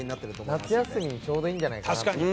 夏休みにちょうどいいんじゃないかなと。